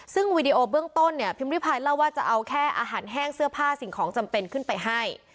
ซึ่งวีดีโอเบื้องต้นเนี่ยพิมพิพายเล่าว่าจะเอาแค่อาหารแห้งเสื้อผ้าสิ่งของจำเป็นขึ้นไปให้